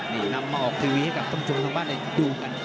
นี่นำมาออกทีวีให้กับท่านผู้ชมทางบ้านได้ดูกัน